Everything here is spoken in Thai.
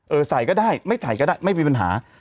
ใส่ก็ได้ไม่ถ่ายก็ได้ไม่มีปัญหา